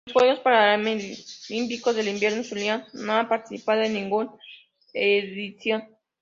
En los Juegos Paralímpicos de Invierno Surinam no ha participado en ninguna edición.